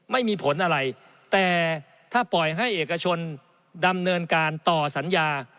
ไม่มีผลอะไรแต่ถ้าปล่อยให้เอกชนดำเนินการต่อสัญญา